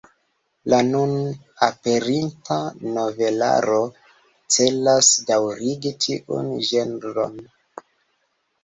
La nun aperinta novelaro celas daŭrigi tiun ĝenron.